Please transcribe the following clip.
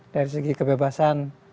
dari segi kebebasan